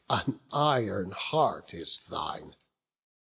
an iron heart is thine!